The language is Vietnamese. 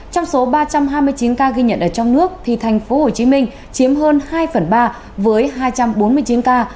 trong số ba trăm hai mươi chín ca ghi nhận ở trong nước thì thành phố hồ chí minh chiếm hơn hai phần ba với hai trăm bốn mươi chín ca